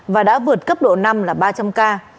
và đã vượt cấp độ năm là ba trăm linh ca